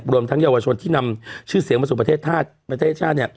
การกับกรงรมทั้งเยาวชนที่นำชื่อเสียงมาสู่ประเทศชาติ